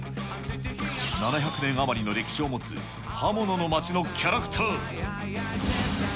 ７００年余りの歴史を持つ刃物の町のキャラクター。